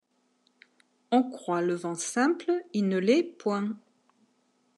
On croit le vent simple ; il ne l’est point.